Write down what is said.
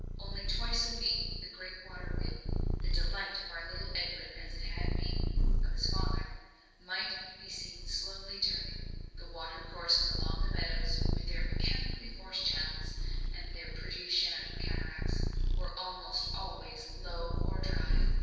Only twice a week the great water wheel, the delight of our little Edwin as it had once been of his father, might be seen slowly turning; and the water courses along the meadows, with their mechanically forced channels, and their pretty sham cataracts, were almost always low or dry.